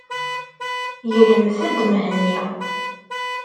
Gelmet-d Mhenni.